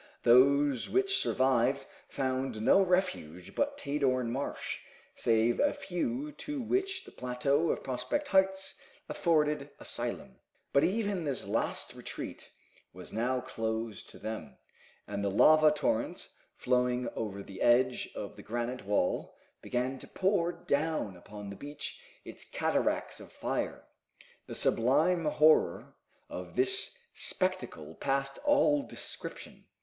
Those which survived found no refuge but Tadorn Marsh, save a few to which the plateau of Prospect Heights afforded asylum. But even this last retreat was now closed to them, and the lava torrent, flowing over the edge of the granite wall, began to pour down upon the beach its cataracts of fire. The sublime horror of this spectacle passed all description.